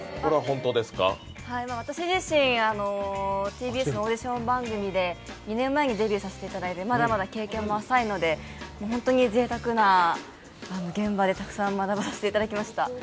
私自身、ＴＢＳのオーディション番組で２年前にデビューさせていただいてまだまだ経験も浅いので、本当にぜいたくな現場でたくさん学ばさせていただきました。